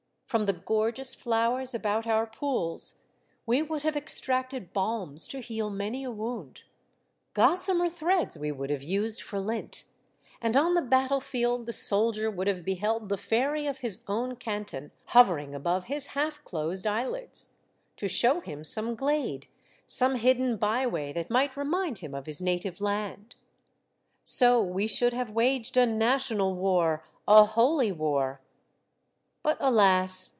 From the gorgeous flowers about our pools, we would have extracted balms to heal many a wound ; gossamer threads we would have used for lint, and on the battle field the sol dier would have beheld the fairy of his own canton hovering above his half closed eyelids, to show him some glade, some hidden byway that might remind him of his native land. So we should have waged a national war, a holy war. But alas